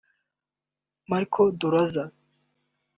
Marco Dorza